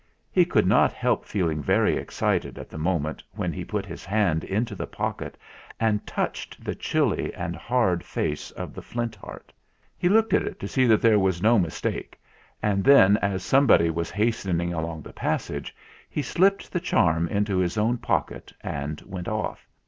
He could not help feeling very excited at the moment when he put his hand into the pocket and touched the chilly and hard face of the 169 170 THE FLINT HEART Flint Heart. He looked at it, to see that there was no mistake, and then, as somebody was hastening along the passage, he slipped the charm into his own pocket and went off.